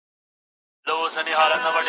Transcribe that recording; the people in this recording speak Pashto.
مېلمستیاوې کله ناکله ډېرې ستړي کوونکې وي.